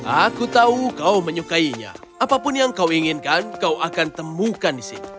aku tahu kau menyukainya apapun yang kau inginkan kau akan temukan di sini